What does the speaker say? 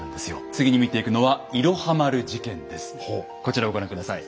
次に見ていくのはこちらをご覧下さい。